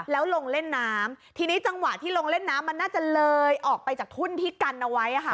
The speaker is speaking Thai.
แล้วลงเล่นน้ำทีนี้จังหวะที่ลงเล่นน้ำมันน่าจะเลยออกไปจากทุ่นที่กันเอาไว้ค่ะ